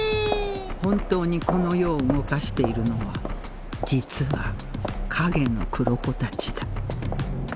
本当にこの世を動かしているのは実は影の黒子たちだ